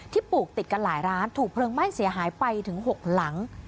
ปลูกติดกันหลายร้านถูกเพลิงไหม้เสียหายไปถึง๖หลัง